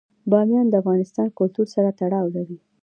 بامیان د افغان کلتور سره تړاو لري.